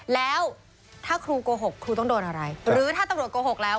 แล้วถ้าครูโกหกครูต้องโดนอะไรหรือถ้าตำรวจโกหกแล้ว